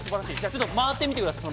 ちょっと回ってみてください。